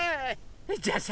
じゃあさ